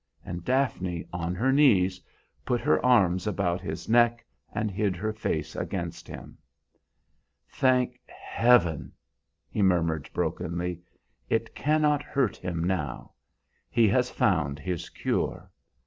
And Daphne, on her knees, put her arms about his neck and hid her face against him. "Thank Heaven!" he murmured brokenly, "it cannot hurt him now. He has found his 'cure.'